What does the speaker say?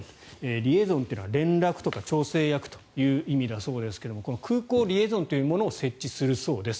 リエゾンというのは連絡とか調整役という意味だそうですがこの空港リエゾンというものを設置するそうです。